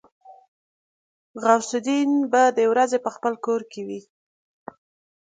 غوث الدين به د ورځې په خپل کور کې و.